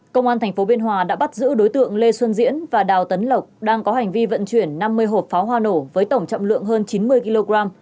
công an tp biên hòa đã bắt giữ đối tượng lê xuân diễn và đào tấn lộc đang có hành vi vận chuyển năm mươi hộp pháo hoa nổ với tổng trọng lượng hơn chín mươi kg